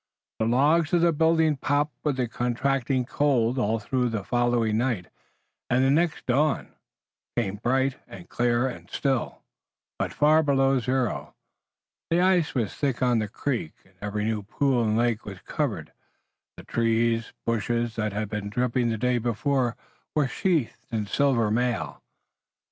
The logs of the buildings popped with the contracting cold all through the following night and the next dawn came bright, clear and still, but far below zero. The ice was thick on the creek, and every new pool and lake was covered. The trees and bushes that had been dripping the day before were sheathed in silver mail.